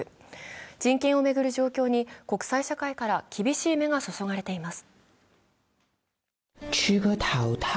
人権を巡る状況に国際社会から厳しい目が注がれています。